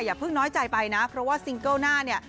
อย่าเพิ่งน้อยใจไปนะเพราะว่าซิงเกิลหน้าเนี่ย